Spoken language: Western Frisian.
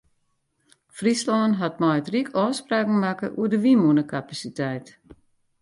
Fryslân hat mei it ryk ôfspraken makke oer de wynmûnekapasiteit.